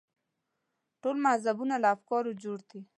ټول مذهبونه له افکارو جوړ دي.